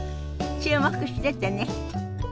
注目しててね。